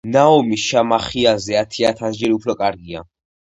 ნაუმი შამახიაზე ათიათასჯერ უფრო კარგია